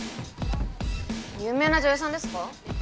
有名な女優さんですか？